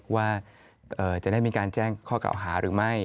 ว่าจะได้มีการแจ้งข้อเก่าหาหรือไม่